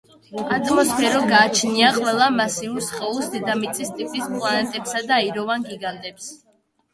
ატმოსფერო გააჩნია ყველა მასიურ სხეულს დედამიწის ტიპის პლანეტებსა და აიროვან გიგანტებს.